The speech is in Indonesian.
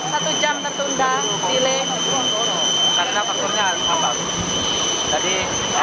satu jam tertunda